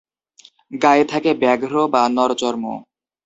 গায়ে থাকে ব্যাঘ্র বা নরচর্ম।